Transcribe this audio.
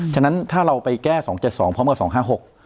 ฉะนั้นถ้าเราไปแก้๒๗๒พร้อมกับ๒๕๖